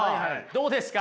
どうですか？